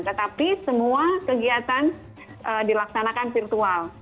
tetapi semua kegiatan dilaksanakan virtual